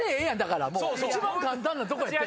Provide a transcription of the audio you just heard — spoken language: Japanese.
一番簡単なとこやってん。